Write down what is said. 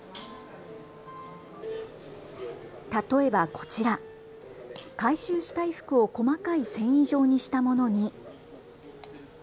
例えばこちら、回収した衣服を細い繊維状にしたものに。